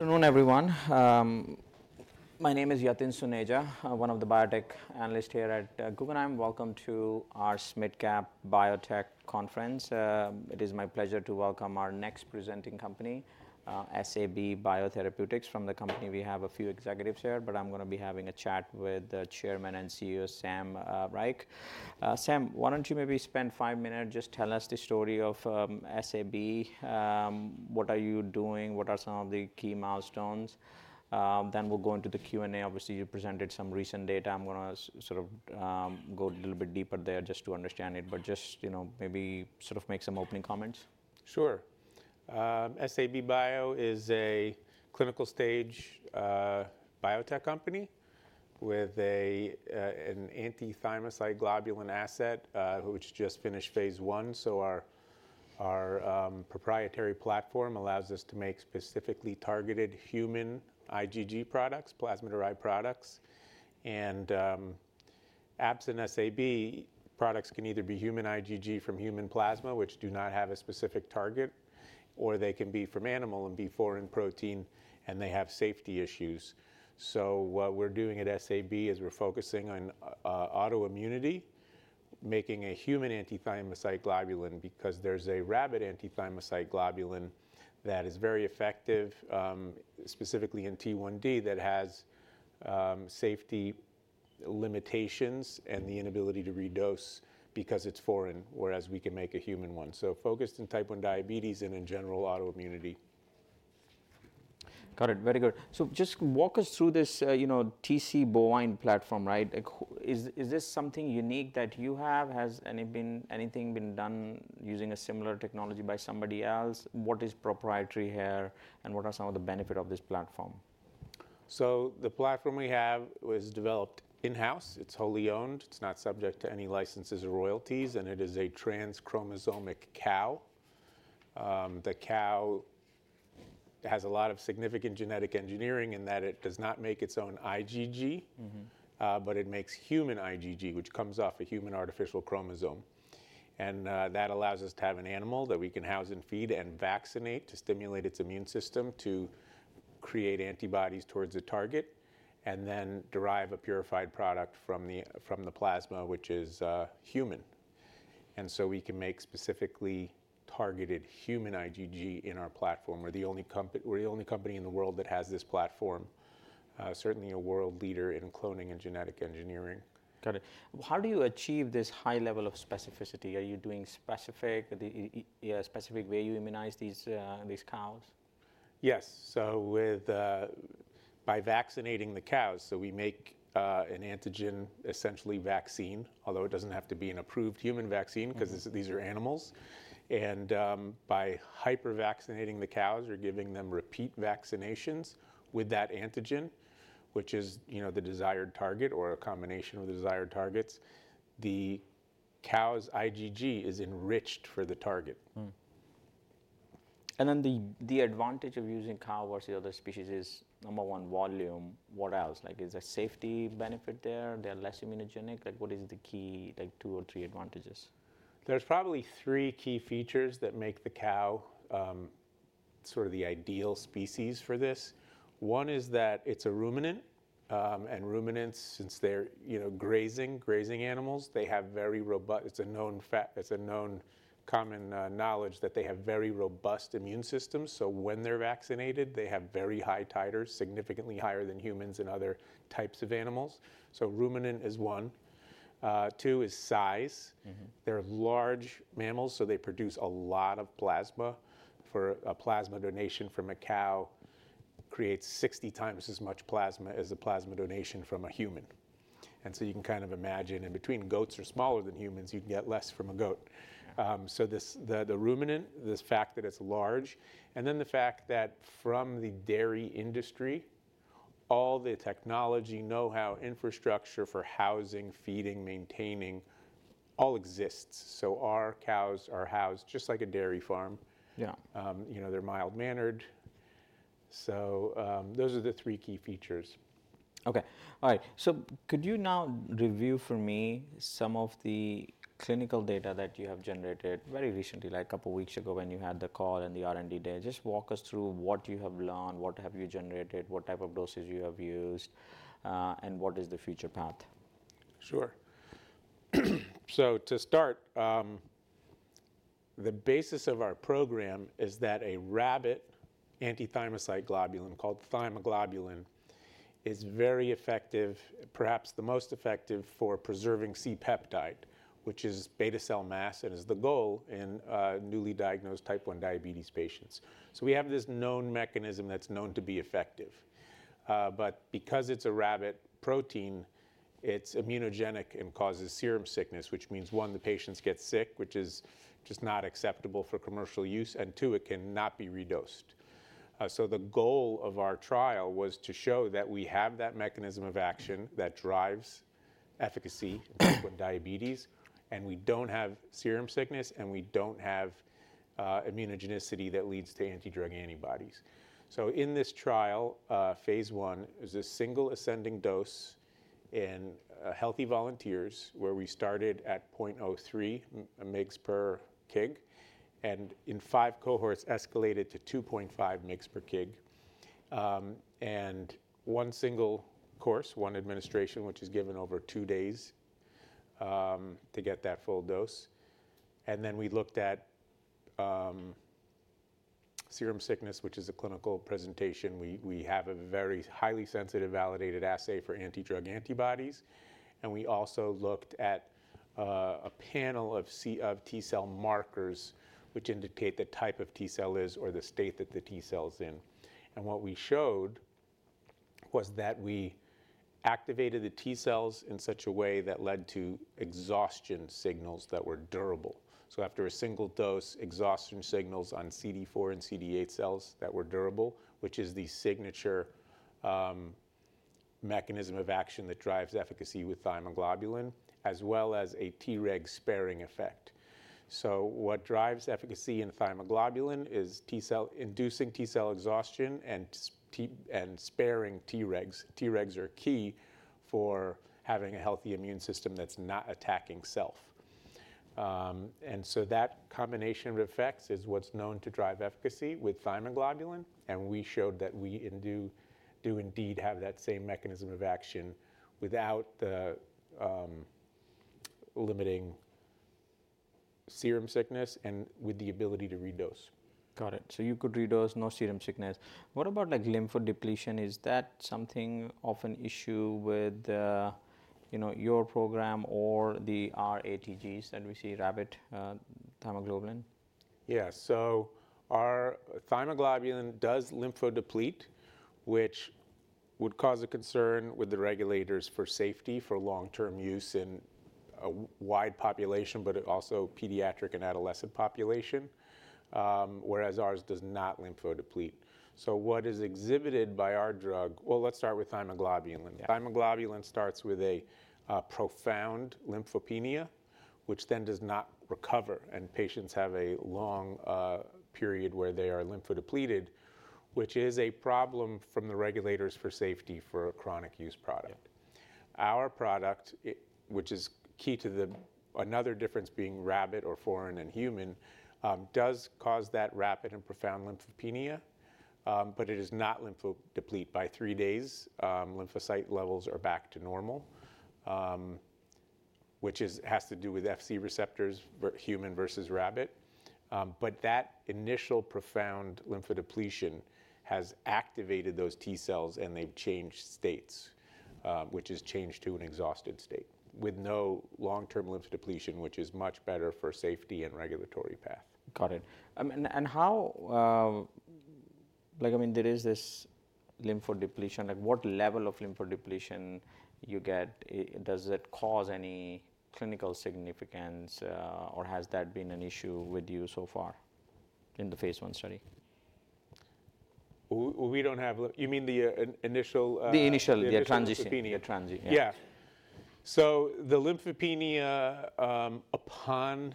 Good morning, everyone. My name is Yatin Suneja, one of the biotech analysts here at Guggenheim. Welcome to our SMID Cap Biotech Conference. It is my pleasure to welcome our next presenting company, SAB Biotherapeutics. From the company, we have a few executives here, but I'm gonna be having a chat with the Chairman and CEO, Sam Reich. Sam, why don't you maybe spend five minutes, just tell us the story of SAB? What are you doing? What are some of the key milestones? Then we'll go into the Q&A. Obviously, you presented some recent data. I'm gonna sort of go a little bit deeper there just to understand it, but just, you know, maybe sort of make some opening comments. Sure. SAB Bio is a clinical stage biotech company with an anti-thymocyte globulin asset, which just finished phase I. Our proprietary platform allows us to make specifically targeted human IgG products, plasma-derived products. Absent SAB, products can either be human IgG from human plasma, which do not have a specific target, or they can be from animal and be foreign protein, and they have safety issues. What we're doing at SAB is we're focusing on autoimmunity, making a human anti-thymocyte globulin because there's a rabbit anti-thymocyte globulin that is very effective, specifically in T1D that has safety limitations and the inability to redose because it's foreign, whereas we can make a human one. Focused in type 1 diabetes and in general autoimmunity. Got it. Very good. Just walk us through this, you know, Tc Bovine platform, right? Like, is this something unique that you have? Has anything been done using a similar technology by somebody else? What is proprietary here, and what are some of the benefits of this platform? The platform we have was developed in-house. It's wholly owned. It's not subject to any licenses or royalties, and it is a transchromosomic cow. The cow has a lot of significant genetic engineering in that it does not make its own IgG. Mm-hmm. It makes human IgG, which comes off a human artificial chromosome. That allows us to have an animal that we can house and feed and vaccinate to stimulate its immune system to create antibodies towards the target, and then derive a purified product from the plasma, which is human. We can make specifically targeted human IgG in our platform. We're the only company, we're the only company in the world that has this platform, certainly a world leader in cloning and genetic engineering. Got it. How do you achieve this high level of specificity? Are you doing specific, the specific way you immunize these cows? Yes. With, by vaccinating the cows, we make an antigen, essentially vaccine, although it does not have to be an approved human vaccine because these are animals. By hyper-vaccinating the cows or giving them repeat vaccinations with that antigen, which is, you know, the desired target or a combination of the desired targets, the cow's IgG is enriched for the target. The advantage of using cow versus other species is, number one, volume. What else? Like, is there safety benefit there? They're less immunogenic? Like, what is the key, like, two or three advantages? There's probably three key features that make the cow, sort of the ideal species for this. One is that it's a ruminant, and ruminants, since they're, you know, grazing, grazing animals, they have very robust, it's a known fact, it's a known common knowledge that they have very robust immune systems. So when they're vaccinated, they have very high titers, significantly higher than humans and other types of animals. So ruminant is one. Two is size. Mm-hmm. They're large mammals, so they produce a lot of plasma. For a plasma donation from a cow creates 60 times as much plasma as a plasma donation from a human. You can kind of imagine, and between goats are smaller than humans, you can get less from a goat. This, the ruminant, this fact that it's large, and then the fact that from the dairy industry, all the technology, know-how, infrastructure for housing, feeding, maintaining, all exists. Our cows are housed just like a dairy farm. Yeah. You know, they're mild-mannered. Those are the three key features. Okay. All right. Could you now review for me some of the clinical data that you have generated very recently, like a couple of weeks ago when you had the call and the R&D Day? Just walk us through what you have learned, what have you generated, what type of doses you have used, and what is the future path? Sure. To start, the basis of our program is that a rabbit anti-thymocyte globulin called Thymoglobulin is very effective, perhaps the most effective for preserving C-peptide, which is beta cell mass, and is the goal in newly diagnosed type 1 diabetes patients. We have this known mechanism that's known to be effective. Because it's a rabbit protein, it's immunogenic and causes serum sickness, which means, one, the patients get sick, which is just not acceptable for commercial use, and two, it cannot be redosed. The goal of our trial was to show that we have that mechanism of action that drives efficacy in type 1 diabetes, and we do not have serum sickness, and we do not have immunogenicity that leads to anti-drug antibodies. In this trial, phase I is a single ascending dose in healthy volunteers where we started at 0.03 mg per kg, and in five cohorts escalated to 2.5 mg per kg. One single course, one administration, is given over two days to get that full dose. We looked at serum sickness, which is a clinical presentation. We have a very highly sensitive, validated assay for anti-drug antibodies. We also looked at a panel of T-cell markers, which indicate the type of T-cell or the state that the T-cell is in. What we showed was that we activated the T-cells in such a way that led to exhaustion signals that were durable. After a single dose, exhaustion signals on CD4 and CD8 cells that were durable, which is the signature mechanism of action that drives efficacy with Thymoglobulin, as well as a Treg sparing effect. What drives efficacy in Thymoglobulin is inducing T-cell exhaustion and sparing Tregs. Tregs are key for having a healthy immune system that's not attacking self. That combination of effects is what's known to drive efficacy with Thymoglobulin, and we showed that we do indeed have that same mechanism of action without the limiting serum sickness and with the ability to redose. Got it. So you could redose, no serum sickness. What about, like, lymphodepletion? Is that something of an issue with, you know, your program or the RATGs that we see rabbit, thymoglobulin? Yeah. Our thymoglobulin does lymphodeplete, which would cause a concern with the regulators for safety for long-term use in a wide population, but also pediatric and adolescent population, whereas ours does not lymphodeplete. What is exhibited by our drug? Let's start with thymoglobulin. Yeah. Thymoglobulin starts with a profound lymphopenia, which then does not recover, and patients have a long period where they are lymphodepleted, which is a problem from the regulators for safety for a chronic use product. Yeah. Our product, which is key to the, another difference being rabbit or foreign and human, does cause that rapid and profound lymphopenia, but it is not lymphodeplete by three days. Lymphocyte levels are back to normal, which is, has to do with Fc receptors for human versus rabbit. That initial profound lymphodepletion has activated those T-cells, and they've changed states, which is change to an exhausted state with no long-term lymphodepletion, which is much better for safety and regulatory path. Got it. And, and how, like, I mean, there is this lymphodepletion, like, what level of lymphodepletion you get, does it cause any clinical significance, or has that been an issue with you so far in the phase I study? We don't have lympho. You mean the initial, The initial, the transition. Lymphopenia. The transition. Yeah. The lymphopenia, upon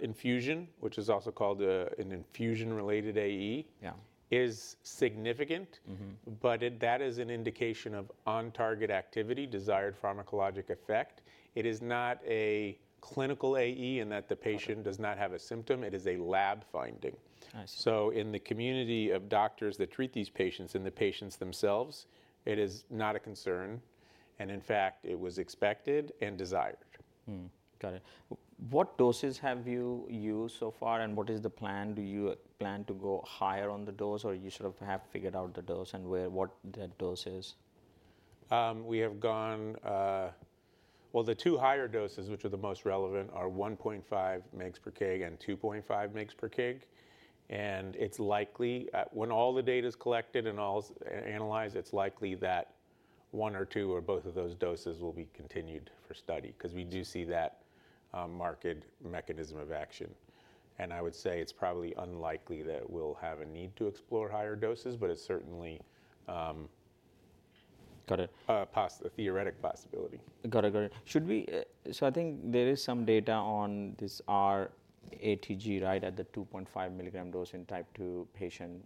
infusion, which is also called an infusion-related AE. Yeah. Is significant. Mm-hmm. That is an indication of on-target activity, desired pharmacologic effect. It is not a clinical AE in that the patient does not have a symptom. It is a lab finding. I see. In the community of doctors that treat these patients and the patients themselves, it is not a concern. In fact, it was expected and desired. Got it. What doses have you used so far, and what is the plan? Do you plan to go higher on the dose, or you sort of have figured out the dose and where, what that dose is? We have gone, the two higher doses, which are the most relevant, are 1.5 mg per kg and 2.5 mg per kg. It's likely, when all the data's collected and all's analyzed, it's likely that one or two or both of those doses will be continued for study 'cause we do see that, market mechanism of action. I would say it's probably unlikely that we'll have a need to explore higher doses, but it's certainly, Got it. theoretic possibility. Got it. Got it. Should we, so I think there is some data on this RATG, right, at the 2.5 milligram dose in type 2 patient.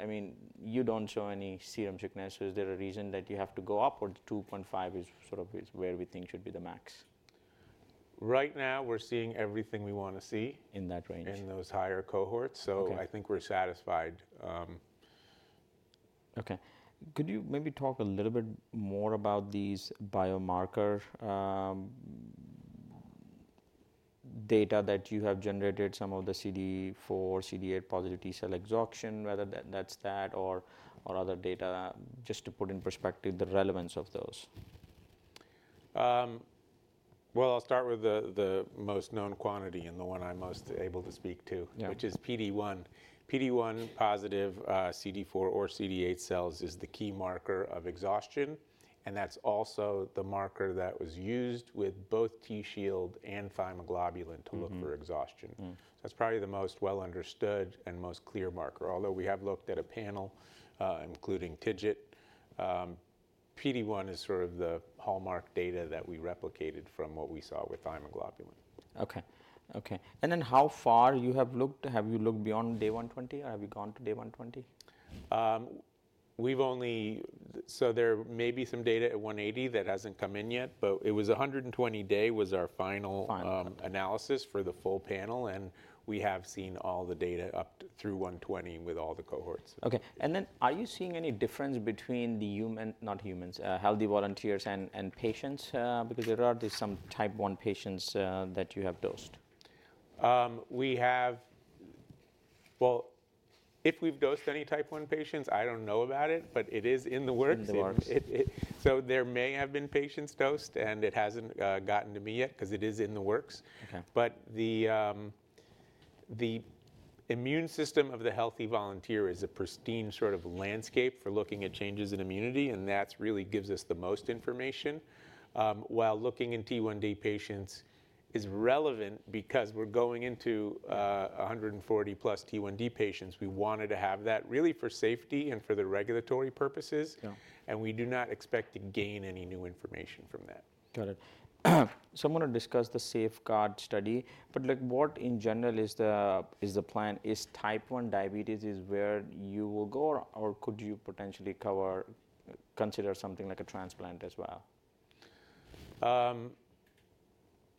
I mean, you do not show any serum sickness. Is there a reason that you have to go up, or 2.5 is sort of, is where we think should be the max? Right now, we're seeing everything we wanna see. In that range. In those higher cohorts. Okay. I think we're satisfied. Okay. Could you maybe talk a little bit more about these biomarker data that you have generated, some of the CD4, CD8 positive T-cell exhaustion, whether that, that's that or other data, just to put in perspective the relevance of those? I'll start with the most known quantity and the one I'm most able to speak to. Yeah. Which is PD-1. PD-1 positive, CD4 or CD8 cells is the key marker of exhaustion, and that's also the marker that was used with both Tzield and Thymoglobulin to look for exhaustion. That's probably the most well-understood and most clear marker. Although we have looked at a panel, including TIGIT, PD-1 is sort of the hallmark data that we replicated from what we saw with Thymoglobulin. Okay. Okay. How far have you looked? Have you looked beyond day 120, or have you gone to day 120? we've only, so there may be some data at 180 that hasn't come in yet, but it was 120 day was our final. analysis for the full panel, and we have seen all the data up through 120 with all the cohorts. Okay. Are you seeing any difference between the human, not humans, healthy volunteers and patients, because there are these some type 1 patients that you have dosed? We have, well, if we've dosed any type 1 patients, I don't know about it, but it is in the works. In the works. There may have been patients dosed, and it hasn't gotten to me yet 'cause it is in the works. Okay. The immune system of the healthy volunteer is a pristine sort of landscape for looking at changes in immunity, and that really gives us the most information. While looking in T1D patients is relevant because we're going into 140 plus T1D patients, we wanted to have that really for safety and for the regulatory purposes. Yeah. We do not expect to gain any new information from that. Got it. I'm gonna discuss the SAFEGUARD study, but, like, what in general is the, is the plan? Is type 1 diabetes is where you will go, or could you potentially cover, consider something like a transplant as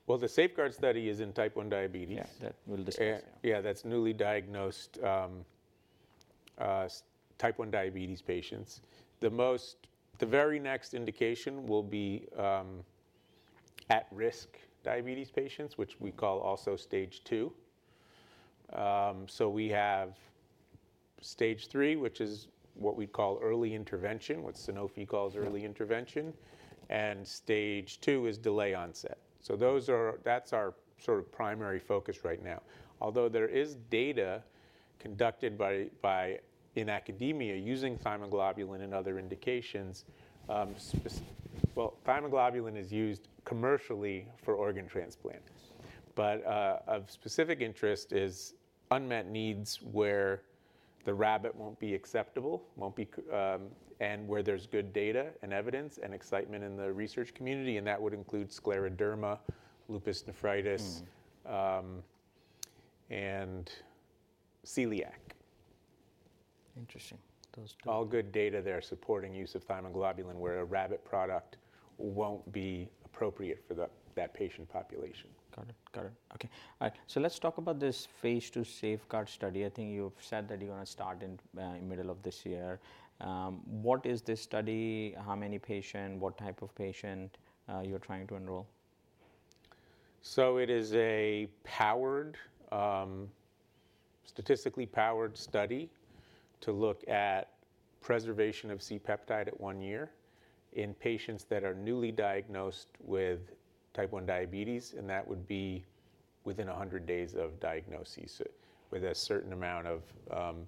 well? The SAFEGUARD study is in type 1 diabetes. Yeah, that we'll discuss. Yeah. Yeah. That's newly diagnosed, type 1 diabetes patients. The most, the very next indication will be, at-risk diabetes patients, which we call also Stage 2. We have Stage 3, which is what we call early intervention, what Sanofi calls early intervention. Mm-hmm. Stage two is delay onset. Those are, that's our sort of primary focus right now. Although there is data conducted by academia using Thymoglobulin and other indications as well, Thymoglobulin is used commercially for organ transplant. Of specific interest is unmet needs where the rabbit won't be acceptable, won't be considered, and where there's good data and evidence and excitement in the research community, and that would include scleroderma, lupus nephritis, and celiac. Interesting. Those two. All good data there supporting use of Thymoglobulin where a rabbit product won't be appropriate for the, that patient population. Got it. Got it. Okay. All right. Let's talk about this phase II SAFEGUARD study. I think you've said that you're gonna start in, in the middle of this year. What is this study? How many patient? What type of patient, you're trying to enroll? It is a statistically powered study to look at preservation of C-peptide at one year in patients that are newly diagnosed with type 1 diabetes, and that would be within 100 days of diagnosis with a certain amount of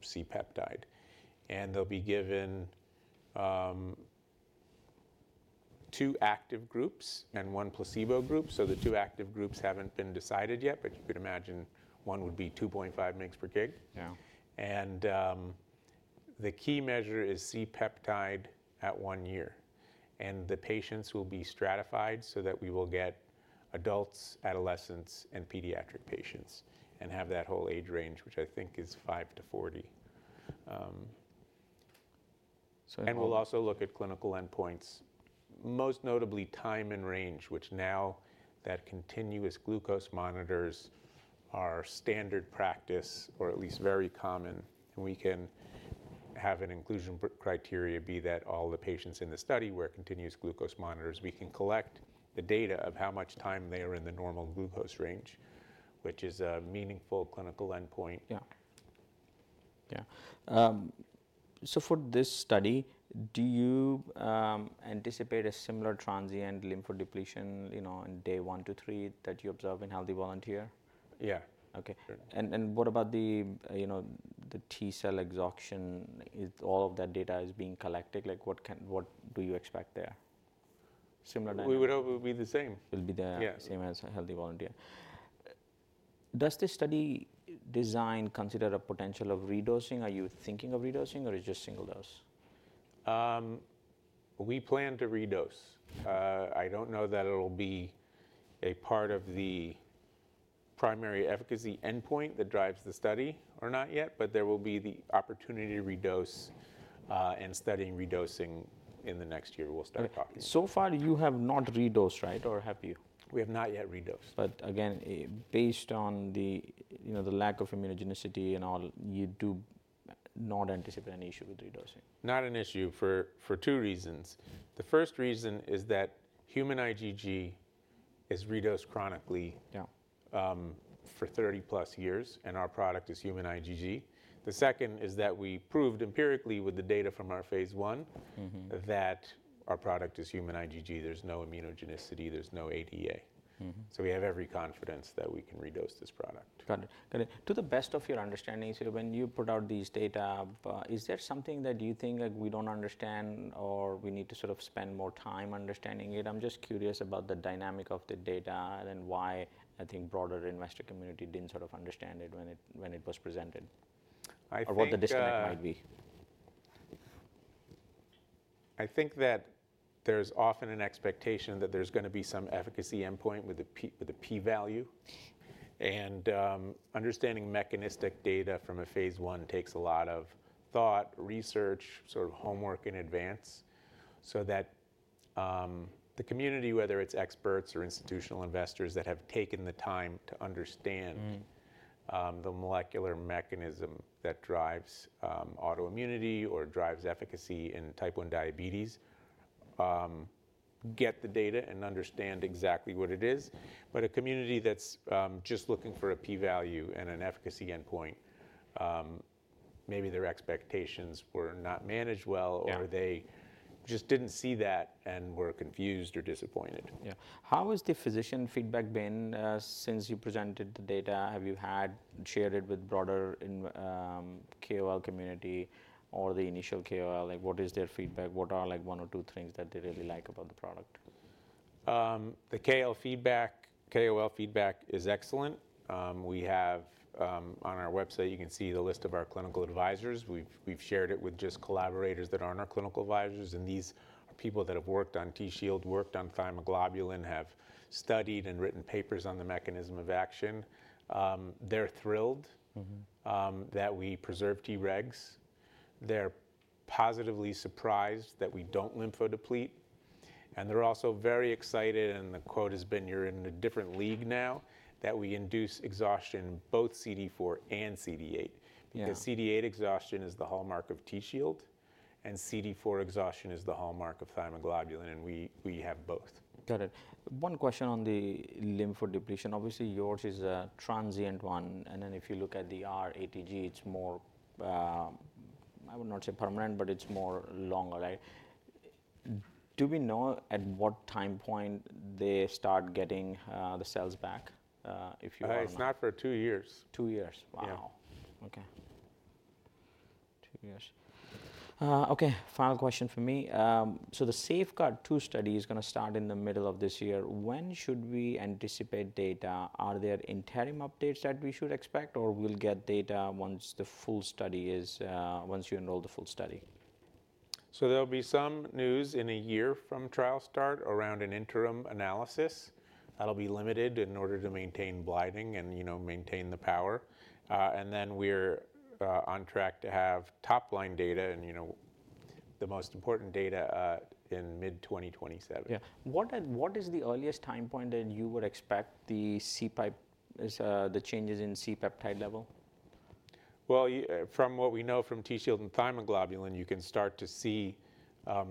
C-peptide. They'll be given two active groups and one placebo group. The two active groups have not been decided yet, but you could imagine one would be 2.5 mg per kg. Yeah. The key measure is C-peptide at one year. The patients will be stratified so that we will get adults, adolescents, and pediatric patients and have that whole age range, which I think is 5 to 40. So and. We will also look at clinical endpoints, most notably time in range, which now that continuous glucose monitors are standard practice or at least very common. We can have an inclusion criteria be that all the patients in the study wear continuous glucose monitors. We can collect the data of how much time they are in the normal glucose range, which is a meaningful clinical endpoint. Yeah. Yeah. For this study, do you anticipate a similar transient lymphodepletion, you know, on day one to three that you observe in healthy volunteer? Yeah. Okay. And what about the, you know, the T-cell exhaustion? Is all of that data being collected? Like, what can, what do you expect there? Similar data? We would hope it would be the same. It'll be the. Yeah. Same as healthy volunteer. Does this study design consider a potential of redosing? Are you thinking of redosing, or is it just single dose? We plan to redose. I don't know that it'll be a part of the primary efficacy endpoint that drives the study or not yet, but there will be the opportunity to redose, and studying redosing in the next year. We'll start talking about. So far, you have not redosed, right, or have you? We have not yet redosed. I based on the, you know, the lack of immunogenicity and all, you do not anticipate an issue with redosing? Not an issue for two reasons. The first reason is that human IgG is redosed chronically. Yeah. for 30 plus years, and our product is human IgG. The second is that we proved empirically with the data from our phase I. Mm-hmm. That our product is human IgG. There's no immunogenicity. There's no ADA. Mm-hmm. We have every confidence that we can redose this product. Got it. Got it. To the best of your understanding, when you put out these data, is there something that you think, like, we do not understand or we need to sort of spend more time understanding it? I am just curious about the dynamic of the data and why I think broader investor community did not sort of understand it when it was presented. I think. What the disconnect might be. I think that there's often an expectation that there's gonna be some efficacy endpoint with the P-value. Understanding mechanistic data from a phase I takes a lot of thought, research, sort of homework in advance so that the community, whether it's experts or institutional investors that have taken the time to understand. Mm-hmm. The molecular mechanism that drives autoimmunity or drives efficacy in type 1 diabetes, get the data and understand exactly what it is. A community that's just looking for a P-value and an efficacy endpoint, maybe their expectations were not managed well. Yeah. They just didn't see that and were confused or disappointed. Yeah. How has the physician feedback been, since you presented the data? Have you shared it with broader in, KOL community or the initial KOL? Like, what is their feedback? What are, like, one or two things that they really like about the product? The KOL feedback, KOL feedback is excellent. We have, on our website, you can see the list of our clinical advisors. We've shared it with just collaborators that aren't our clinical advisors, and these are people that have worked on Tzield, worked on Thymoglobulin, have studied and written papers on the mechanism of action. They're thrilled. Mm-hmm. that we preserve Tregs. They're positively surprised that we don't lymphodeplete. They're also very excited, and the quote has been, "You're in a different league now," that we induce exhaustion in both CD4 and CD8. Yeah. Because CD8 exhaustion is the hallmark of Tzield, and CD4 exhaustion is the hallmark of Thymoglobulin, and we, we have both. Got it. One question on the lymphodepletion. Obviously, yours is a transient one, and then if you look at the RATG, it's more, I would not say permanent, but it's more longer, right? Do we know at what time point they start getting, the cells back, if you have? It's not for two years. Two years. Wow. Yeah. Okay. Two years. Okay. Final question for me. So the SAFEGUARD 2 study is gonna start in the middle of this year. When should we anticipate data? Are there interim updates that we should expect, or we'll get data once the full study is, once you enroll the full study? There'll be some news in a year from trial start around an interim analysis. That'll be limited in order to maintain blinding and, you know, maintain the power. We're on track to have top-line data and, you know, the most important data, in mid-2027. Yeah. What and what is the earliest time point that you would expect the C-peptide is, the changes in C-peptide level? From what we know from Tzield and Thymoglobulin, you can start to see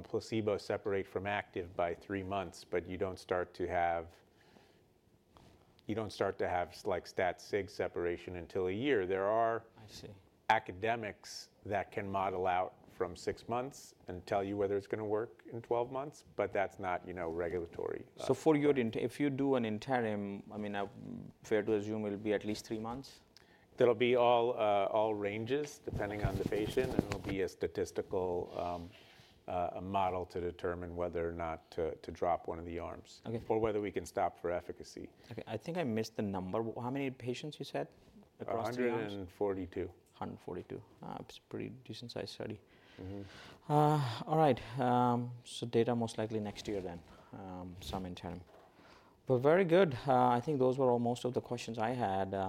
placebo separate from active by three months, but you don't start to have, like, static separation until a year. There are. I see. Academics that can model out from six months and tell you whether it's gonna work in 12 months, but that's not, you know, regulatory. For your in, if you do an interim, I mean, I'm fair to assume it'll be at least three months? There'll be all ranges depending on the patient, and it'll be a statistical model to determine whether or not to drop one of the arms. Okay. Or whether we can stop for efficacy. Okay. I think I missed the number. How many patients you said across the arms? 142. 142. That's a pretty decent-sized study. Mm-hmm. All right. So data most likely next year then, some interim. Very good. I think those were almost all the questions I had.